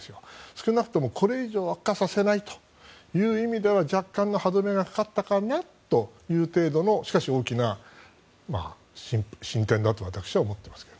少なくともこれ以上悪化させないという意味では若干の歯止めがかかったかなという程度のしかし大きな進展だと私は思ってますが。